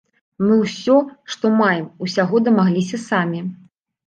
Мы ўсё, што маем, усяго дамагліся самі.